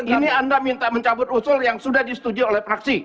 ini anda minta mencabut usul yang sudah disetujui oleh praksi